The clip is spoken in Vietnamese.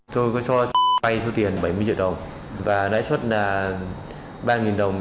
tôi có cho bây số tiền bảy mươi triệu đồng và nãy suất là ba đồng trên một triệu trên một ngày